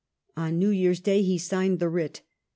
On New Year's Day he signed the writ.